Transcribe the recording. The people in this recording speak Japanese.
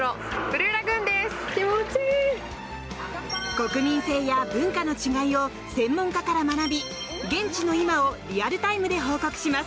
国民性や文化の違いを専門家から学び現地の今をリアルタイムで報告します。